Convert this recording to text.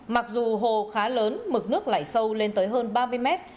mặc dù hồ khá lớn mực nước lại sâu lên tới hơn ba mươi mét